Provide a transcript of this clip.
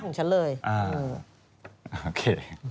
โอเค